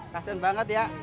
kasian banget ya